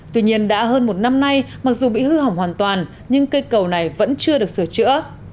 tuy nhiên đã hơn một năm nay mặc dù bị hư hỏng hoàn toàn nhưng cây cầu này vẫn chưa được sửa chữa